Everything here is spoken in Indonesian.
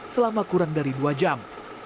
selama kurang dari dua jam